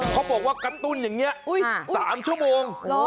เขาบอกว่ากระตุ้นอย่างนี้๓ชั่วโมง